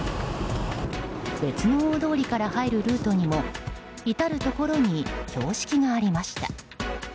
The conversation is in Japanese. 別の大通りから入るルートにも至るところに標識がありました。